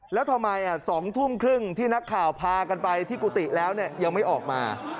แล้วทำไม๒ทุ่มครึ่งที่นักข่าวพากันไปที่กุฏิแล้วยังไม่ออกมา